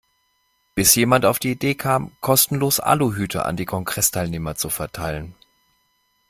Bis jemand auf die Idee kam, kostenlos Aluhüte an die Kongressteilnehmer zu verteilen.